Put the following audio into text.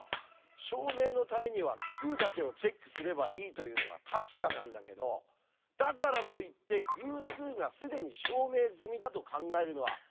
証明のためには奇数だけをチェックすればいいというのは確かなんだけどだからといって偶数が既に証明済みだと考えるのは間違いなんですね。